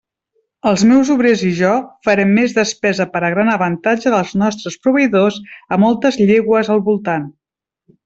Els meus obrers i jo farem més despesa per a gran avantatge dels nostres proveïdors a moltes llegües al voltant.